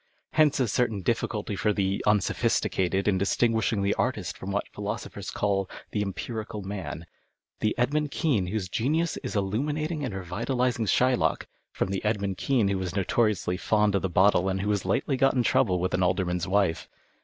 Hence a certain dillieulty for the unsoi)histicated in 101 PASTICHE AND PREJUDICE distinguishing the artist from what the philosophers call the empirical man ; the Edmund Kean whose genius is illuminating and revitalizing Shylock from the Edmund Kean who is notoriously fond of the bottle and who has lately got into trouble with an alderman's wife.